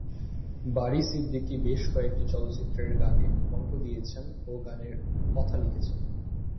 বারী সিদ্দিকী বেশ কয়েকটি চলচ্চিত্রের গানে কণ্ঠ দিয়েছেন ও গানের কথা লিখেছেন।